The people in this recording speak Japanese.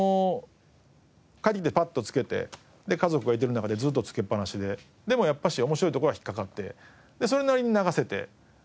帰ってきてパッとつけて家族がいてる中でずっとつけっぱなしででもやっぱし面白いとこは引っかかってそれなりに流せて。